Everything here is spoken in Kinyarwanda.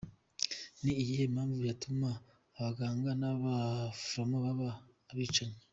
Ni iyihe mpamvu yatuma abaganga n’ abaforomo baba abicanyi?.